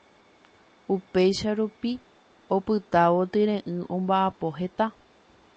upéicha rupi opytávo tyre'ỹ omba'apo heta